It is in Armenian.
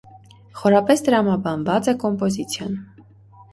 Խորապես տրամաբանված է կոմպոզիցիան։